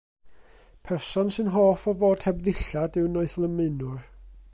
Person sy'n hoff o fod heb ddillad yw noethlymunwr.